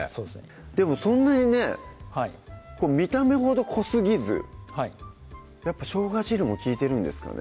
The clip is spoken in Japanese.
でもそんなにねはい見た目ほど濃すぎずはいやっぱしょうが汁も利いてるんですかね？